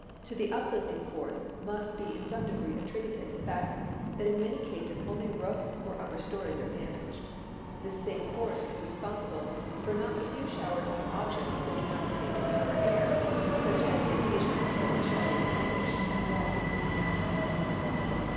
To the uplifting force must be in some degree attributed the fact that in many cases only roofs or upper stories are damaged. This same force is responsible for not a few showers of objects that do not pertain to the upper air: such as the occasionally reported showers of fish and frogs.